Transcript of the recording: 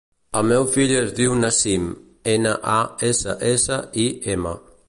El meu fill es diu Nassim: ena, a, essa, essa, i, ema.